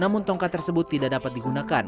namun tongkat tersebut tidak dapat digunakan